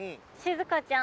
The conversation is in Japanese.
ずかちゃん。